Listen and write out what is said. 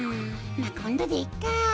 まあこんどでいっか。